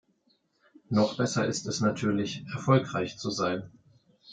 Noch besser ist es natürlich, erfolgreich zu sein.